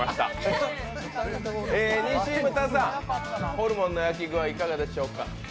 ホルモンの焼き具合、いかがでしょうか。